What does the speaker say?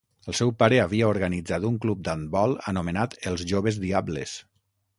El seu pare havia organitzat un club d'handbol anomenat els Joves Diables.